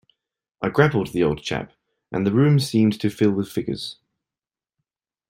I grappled the old chap, and the room seemed to fill with figures.